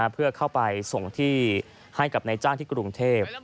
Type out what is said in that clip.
เพื่อเข้าไปส่งที่ให้กับนายจ้างที่กรุงเทพ